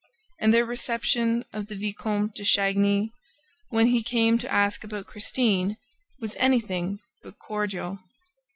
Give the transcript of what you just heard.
And their reception of the Vicomte de Chagny, when he came to ask about Christine, was anything but cordial.